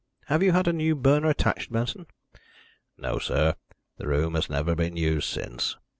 Have you had a new burner attached, Benson?" "No, sir. The room has never been used since."